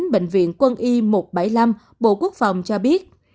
bệnh viện quân y một trăm bảy mươi năm bộ quốc phòng cho biết